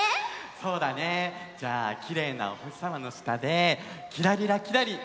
そうだねじゃあきれいなおほしさまのしたで「きらりらきらりん」